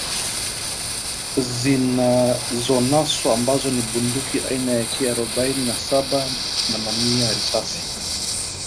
zilizonaswa ambazo ni bunduki aina ya AK arobaini na saba na mamia ya risasi